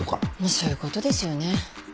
そういうことですよね。